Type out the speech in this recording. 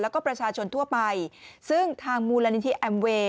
แล้วก็ประชาชนทั่วไปซึ่งทางมูลนิธิแอมเวย์